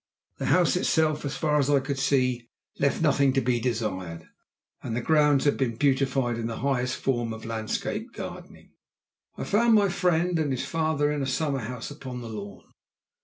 The house itself, as far as I could see, left nothing to be desired, and the grounds had been beautified in the highest form of landscape gardening. I found my friend and his father in a summer house upon the lawn.